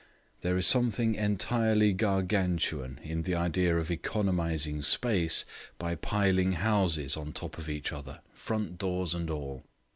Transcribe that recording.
There is something entirely Gargantuan in the idea of economising space by piling houses on top of each other, front doors and all.